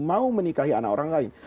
mau menikahi anak orang lain